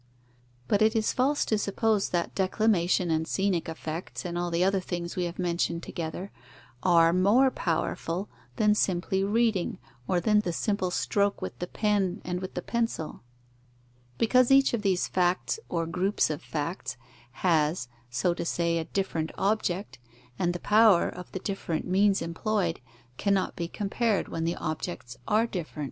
But it is false to suppose that declamation and scenic effects, and all the other things we have mentioned together, are more powerful than simply reading, or than the simple stroke with the pen and with the pencil; because each of these facts or groups of facts has, so to say, a different object, and the power of the different means employed cannot be compared when the objects are different.